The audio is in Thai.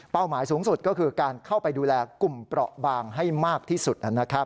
หมายสูงสุดก็คือการเข้าไปดูแลกลุ่มเปราะบางให้มากที่สุด